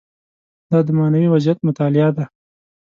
دا د معنوي وضعیت مطالعه ده.